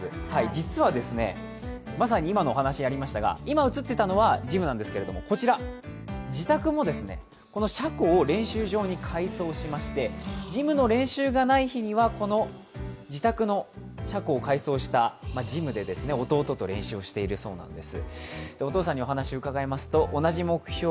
実は、まさに今のお話でありましたが、今映っていたのがジムだったんですがこちら、自宅も車庫を練習場に改装しまして、ジムの練習がない日にはこの自宅の車庫を改装したジムで弟と練習をしているそうなんです。